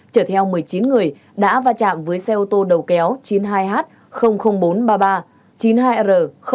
trở theo một mươi chín người đã va chạm với xe ô tô đầu kéo chín mươi hai h bốn trăm ba mươi ba chín mươi hai r bốn trăm sáu mươi chín